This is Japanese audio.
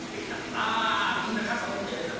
ああみんな傘持ってねえんだ道灌だ。